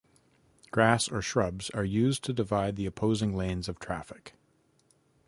Grass or shrubs are used to divide the opposing lanes of traffic.